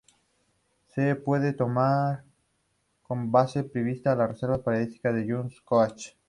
Se puede tomar como base para visitar la Reserva Paisajística Nor Yauyos Cochas.